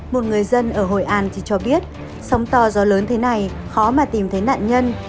một người dân ở hội an thì cho biết sóng to gió lớn thế này khó mà tìm thấy nạn nhân